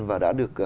và đã được